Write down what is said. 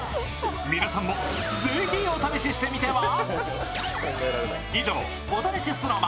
皆さんもぜひお試ししてみては？